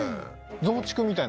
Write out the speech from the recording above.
増築みたいな？